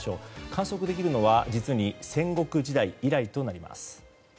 観測できるのは実に戦国時代以来となります。